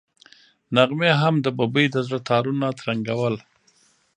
نغمې هم د ببۍ د زړه تارونه ترنګول.